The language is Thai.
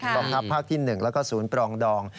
บำทับภาพที่๑และศูนย์ปลองดอง